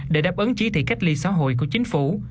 để đáp ứng chỉ thị cách ly xã hội của chính phủ